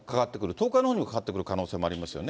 東海のほうにもかかってくる可能性もありますね。